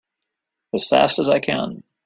As fast as I can!